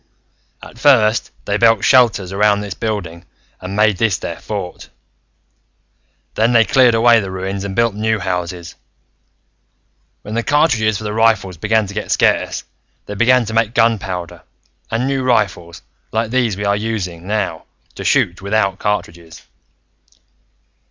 "At first, they built shelters around this building and made this their fort. Then they cleared away the ruins, and built new houses. When the cartridges for the rifles began to get scarce, they began to make gunpowder, and new rifles, like these we are using now, to shoot without cartridges.